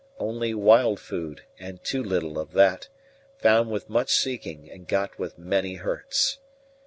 Only wild food, and too little of that, found with much seeking and got with many hurts.